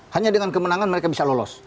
hanya dengan kemenangan mereka bisa lolos